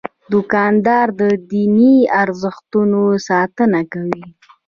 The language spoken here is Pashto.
دوکاندار د دیني ارزښتونو ساتنه کوي.